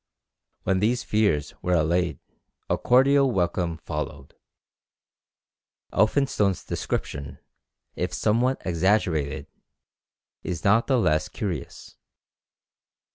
When these fears were allayed, a cordial welcome followed. Elphinstone's description, if somewhat exaggerated, is not the less curious.